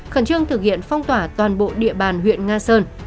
khẩn trương thực hiện phong tỏa toàn bộ địa bàn huyện nga sơn